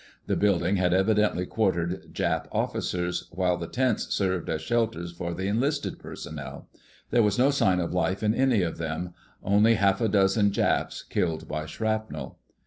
The building had evidently quartered Jap officers, while the tents served as shelters for the enlisted personnel. There was no sign of life in any of them—only half a dozen Japs killed by shrapnel.